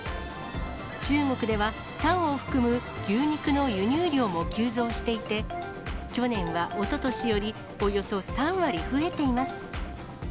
中国ではタンを含む牛肉の輸入量も急増していて、去年はおととしよりおよそ３割増えています。